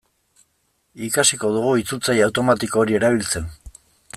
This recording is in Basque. Ikasiko dugu itzultzaile automatiko hori erabiltzen.